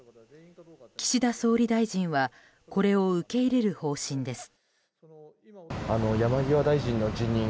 岸田総理大臣はこれを受け入れる方針です。